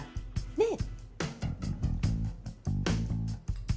ねえ。